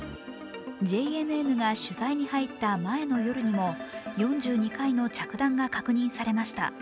ＪＮＮが取材に入った前の夜にも４２回の着弾が確認されました。